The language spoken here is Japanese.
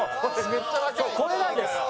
そうこれなんです。